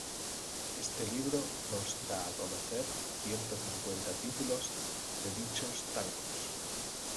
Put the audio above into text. Este libro nos da a conocer ciento cincuenta títulos de dichos tangos.